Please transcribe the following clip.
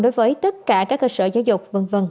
đối với tất cả các cơ sở giáo dục